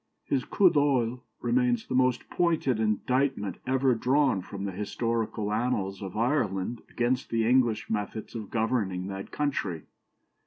His coup d'oeil remains the most pointed indictment ever drawn from the historical annals of Ireland against the English methods of governing that country.